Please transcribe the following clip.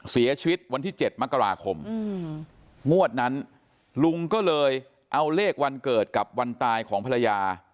เสียชีวิตวันที่๗มกราคมงวดนั้นลุงก็เลยเอาเลขวันเกิดกับวันตายของภรรยา